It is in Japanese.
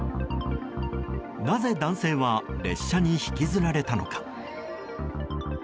なぜ男性は列車に引きずられたのか？